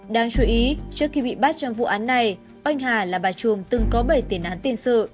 đáng chú ý trước khi bị bắt trong vụ án này oanh hà là bà trùm từng có bảy tiền án tiền sự